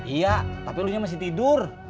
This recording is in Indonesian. iya tapi lu nya masih tidur